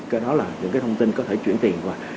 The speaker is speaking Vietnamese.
cái đó là những cái thông tin có thể chuyển tiền qua